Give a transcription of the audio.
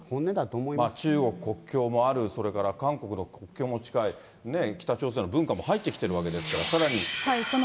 中国国境もある、それから韓国の国境も近い、ねぇ、北朝鮮の文化も入ってきてるわけですから、さらに。